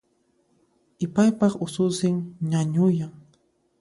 Ipaypaq ususin ñañuyan